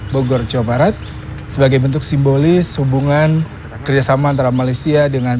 bogor jawa barat sebagai bentuk simbolis hubungan kerjasama antara malaysia dengan